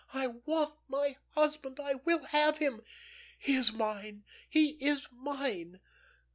"I want my husband. I will have him; he is mine, he is mine.